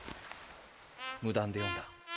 無断で読んだ。